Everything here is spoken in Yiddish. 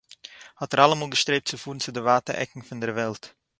האָט ער אַלעמאָל געשטרעבט צו פאָרן צו די ווייטע עקן פון דער וועלט